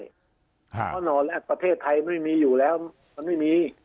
เพราะประเทศไทยมันไม่มีอยู่แล้วมันไม่มี